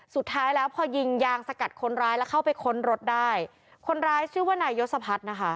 สุดท้ายแล้วพอยิงยางสกัดคนร้ายแล้วเข้าไปค้นรถได้คนร้ายชื่อว่านายยศพัฒน์นะคะ